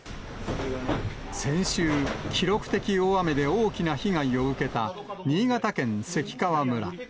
先週、記録的大雨で大きな被害を受けた新潟県関川村。